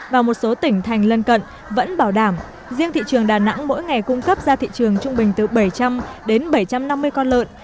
và một số tỉnh thành lân cận vẫn bảo đảm riêng thị trường đà nẵng mỗi ngày cung cấp ra thị trường trung bình từ bảy trăm linh đến bảy trăm năm mươi con lợn